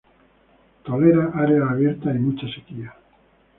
Tolera áreas abiertas, y mucha sequía.